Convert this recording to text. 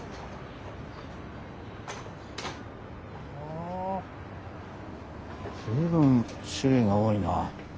あ随分種類が多いな。